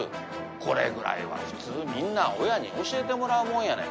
これぐらいは普通みんな親に教えてもらうもんやねん。